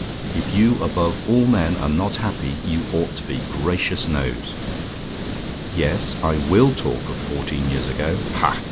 If you above all men are not happy, you ought to be, gracious knows! "Yes, I WILL talk of fourteen years ago. Ha!